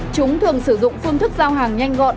chúng thường sử dụng phương thức giao hàng nhanh gọn